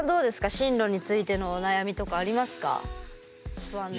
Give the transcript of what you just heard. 進路についての悩みとかありますか？